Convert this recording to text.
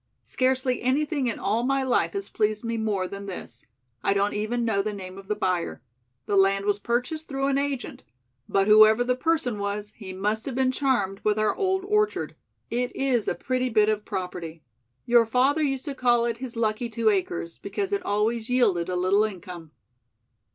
Scarcely anything in all my life has pleased me more than this. I don't even know the name of the buyer. The land was purchased through an agent. But whoever the person was, he must have been charmed with our old orchard. It is a pretty bit of property. Your father used to call it 'his lucky two acres,' because it always yielded a little income."